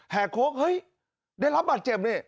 แหกโค้งเฮ้ยได้รับบัตรเจ็บนี่